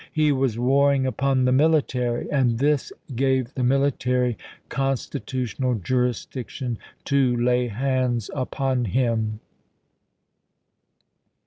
He was warring VALLANDIGHAM 347 upon the military, and this gave the military constitu chap. xii. tional jurisdiction to lay hands upon him.